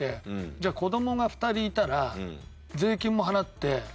じゃあ子どもが２人いたら税金も払って。